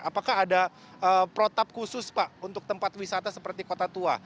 apakah ada protap khusus pak untuk tempat wisata seperti kota tua